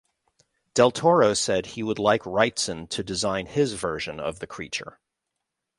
Del Toro said he would like Wrightson to design his version of the creature.